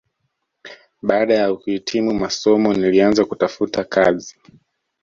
Baada ya kuhitimu masomo nilianza kutafuta kazi